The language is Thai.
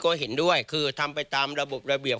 ก็เห็นด้วยคือทำไปตามระบบระเบียบ